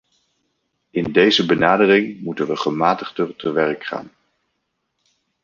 In deze benadering moeten we gematigder te werk gaan.